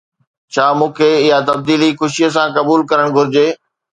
ڇا مون کي اها تبديلي خوشيءَ سان قبول ڪرڻ گهرجي؟